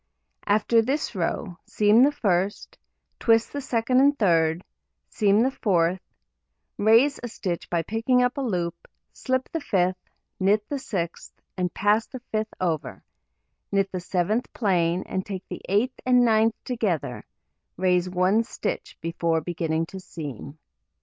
After this row, seam the 1st, twist the 2d and 3d, seam the 4th, raise a stitch by picking up a loop, slip the 5th, knit the 6th, and pass the 5th over, knit the 7th plain, and take the 8th and 9th together, raise one stitch before beginning to seam.